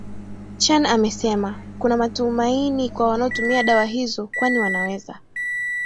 Chan amesema kuna matumaini kwa wanaotumia dawa hizo kwani wanaweza